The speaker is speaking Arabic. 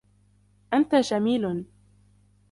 أنت جميلٌ.